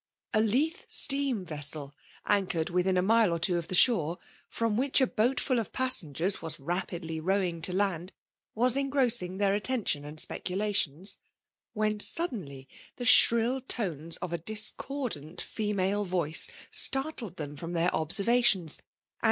A Leith steam vessel, anchored within a mile or two of the shor^ from w^h a boat full of passengers was rapidly rowing to land, was engrossing their attention and speculations; when suddenly the shrill tones of a discordant female voice startled them from their observations, and h2 J4S FKMALK DOMINATION.